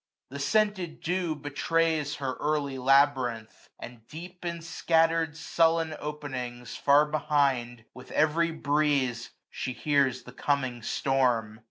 The scented dew Betrays her early labyrinth ; and deep, 415 In scattered sullen openings, far behind. With every breeze she hears the coming storm.